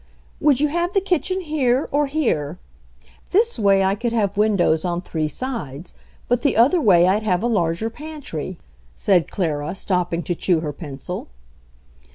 "Would you have the kitchen here, or here? This way I could have windows on three sides, but the other way Fd have a larger pantry," said Clara, stopping to chew her pencil.